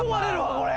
これ。